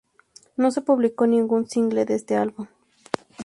No se publicó ningún single de este álbum.